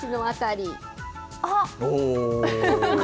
あっ。